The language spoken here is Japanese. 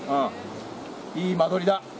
いい間取りだ。